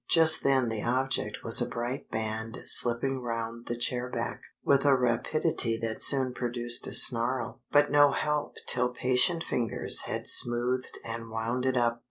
Just then the object was a bright band slipping round the chair back, with a rapidity that soon produced a snarl, but no help till patient fingers had smoothed and wound it up.